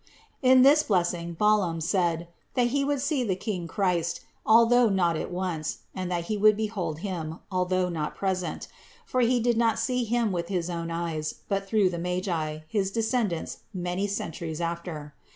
In this blessing Balaam said, that he would see the King Christ, although not at once, and that he would behold Him, although not present; for he did not see Him with his own eyes, but through the Magi, his descendants many centuries after.